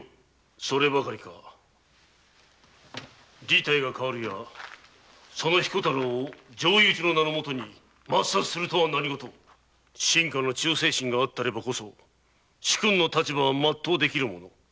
そればかりか事態が変わるやその彦太郎を上意討ちの名のもとに抹殺するとは何ごと臣下の忠誠心あればこそ主君の立場は全うできるもの。